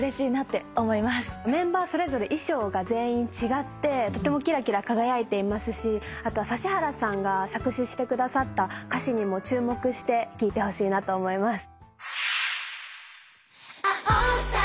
メンバーそれぞれ衣装が全員違ってとてもキラキラ輝いていますしあとは指原さんが作詞してくださった歌詞にも注目して聴いてほしいなと思います。